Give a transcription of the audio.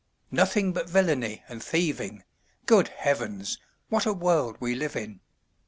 "Nothing but villany, and thieving; Good heavens! what a world we live in!